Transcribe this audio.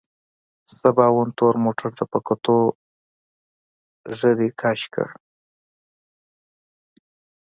سباوون تور موټر ته په کتو ږيرې کش کړ.